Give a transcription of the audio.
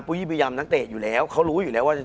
คุณผู้ชมบางท่าอาจจะไม่เข้าใจที่พิเตียร์สาร